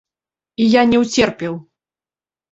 І я не ўцерпеў!